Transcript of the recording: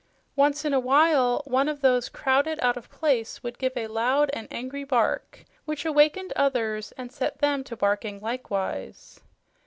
Once in a while one of those crowded out of place would give a loud and angry bark, which awakened others and set them to barking likewise.